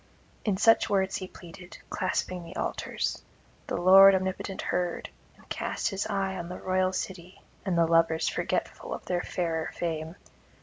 In such words he pleaded, clasping the altars; the Lord omnipotent heard, and cast his eye on the royal city and the lovers forgetful of their fairer fame.